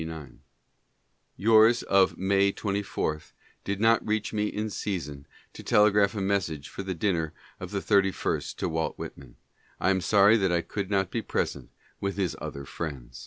Y of May 24th did not reach me in season to telegraph a iage for the dinner of the 31st to Walt Whitman. I am sorry that I could not be present wich his other friends.